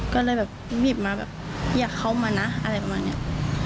ก็เลยหยิบมาอยากเข้ามานะอะไรประมาณนี้